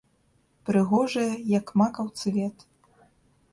Прыгожая, як макаў цвет.